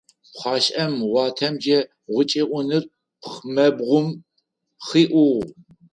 Пхъашӏэм уатэмкӏэ гъучӏыӏунэр пхъмэбгъум хиӏугъ.